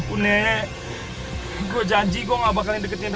jelaskan nanti di kantor